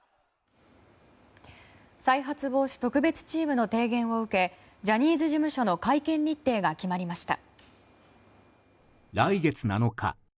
再発防止特別チームの提言を受けジャニーズ事務所の会見日程が決まりました。